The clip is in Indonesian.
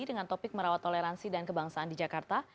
dengan topik merawat toleransi dan kebangsaan di jakarta